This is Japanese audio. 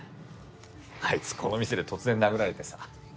あいつこの店で突然殴られてさ。